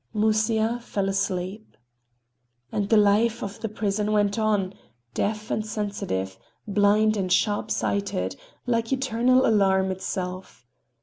Musya fell asleep. And the life of the prison went on, deaf and sensitive, blind and sharp sighted, like eternal alarm itself.